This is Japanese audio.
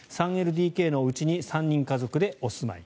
３ＬＤＫのおうちに３人家族でお住まい。